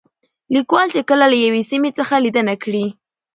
ليکوال چې کله له يوې سيمې څخه ليدنه کړې